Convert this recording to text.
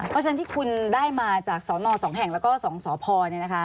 เพราะฉะนั้นที่คุณได้มาจากสน๒แห่งแล้วก็๒สพ